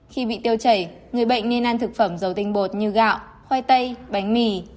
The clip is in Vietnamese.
khi bị tiêu chảy người bệnh nên ăn thực phẩm dầu tinh bột như gạo khoai tây bánh mì